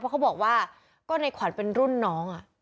เพราะเขาบอกว่าก็ในขวัญเป็นรุ่นน้อง